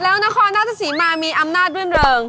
แล้วนครราชสีมามีอำนาจรื่นเริง